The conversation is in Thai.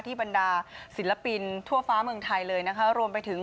บรรดาศิลปินทั่วฟ้าเมืองไทยเลยนะคะรวมไปถึง